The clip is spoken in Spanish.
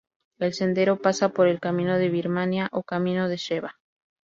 El sendero pasa por el "camino de Birmania", o "camino de Sheva".